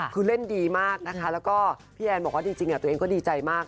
คือเล่นดีมากนะคะแล้วก็พี่แอนบอกว่าจริงตัวเองก็ดีใจมาก